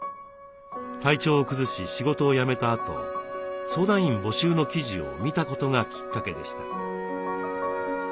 体調を崩し仕事を辞めたあと相談員募集の記事を見たことがきっかけでした。